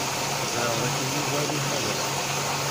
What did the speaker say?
Ẓriɣ dakken Yuba ad iḥader.